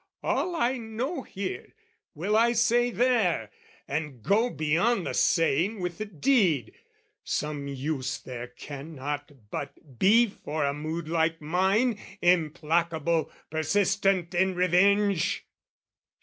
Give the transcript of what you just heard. All I know here, will I say there, and go Beyond the saying with the deed. Some use There cannot but be for a mood like mine, Implacable, persistent in revenge.